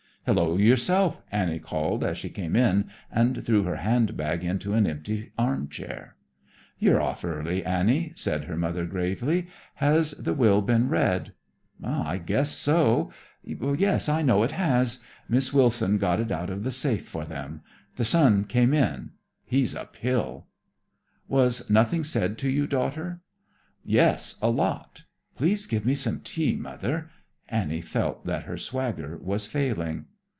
"Hello yourself," Annie called as she came in and threw her handbag into an empty armchair. "You're off early, Annie," said her mother gravely. "Has the will been read?" "I guess so. Yes, I know it has. Miss Wilson got it out of the safe for them. The son came in. He's a pill." "Was nothing said to you, daughter?" "Yes, a lot. Please give me some tea, mother." Annie felt that her swagger was failing.